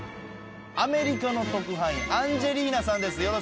アメリカの特派員アンジェリーナさんです。